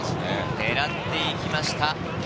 狙っていきました。